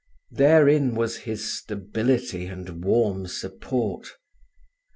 Therein was his stability and warm support.